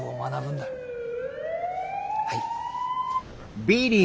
はい。